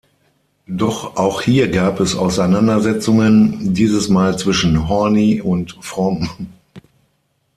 Doch auch hier gab es Auseinandersetzungen, dieses Mal zwischen Horney und Fromm.